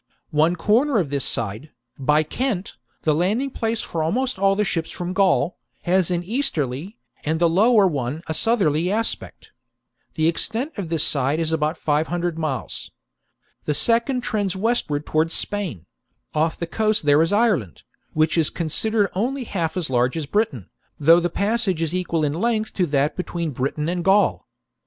One corner of this side, by Kent — the landing place for almost all ships from Gaul — has an easterly, and the lower one a southerly aspect. The extent of this side is about five hundred miles. The second trends westward towards Spain : off the coast here is Ireland, which is considered only half as large as Britain, though the passage is equal in length to that between Britain and Gaul.